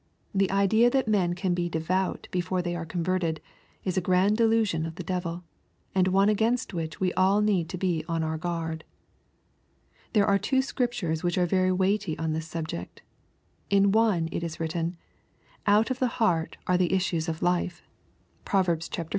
The idea that men can be devout before they are converted, is a grand delusion of the devil, and one against which we all need to be on our guard. There are two Scriptures which are very weighty on this subject. In one it is written, '^ Out of the heart are the issues of life." (Prov. iv.